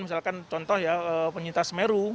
misalkan contoh penyintas meru